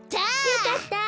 よかった！